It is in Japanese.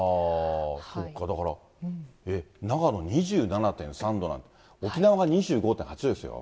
そうか、だから、長野２７．３度なんて、沖縄は２５．８度ですよ。